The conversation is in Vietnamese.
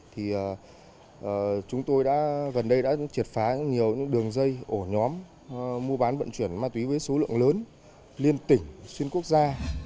thì chúng tôi đã gần đây đã triệt phá nhiều đường dây ổ nhóm mua bán vận chuyển ma túy với số lượng lớn liên tỉnh xuyên quốc gia